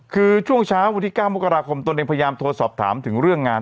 คือช่วงเช้าวันที่๙มกราคมตนเองพยายามโทรสอบถามถึงเรื่องงาน